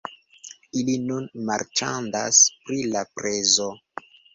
Ili nun marĉandas pri la prezo